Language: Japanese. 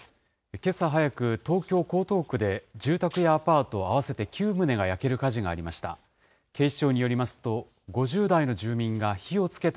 けさ早く、東京・江東区で住宅やアパート合わせて９棟が焼ける火事がありました。